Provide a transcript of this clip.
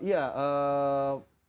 hadirlah di daerah juga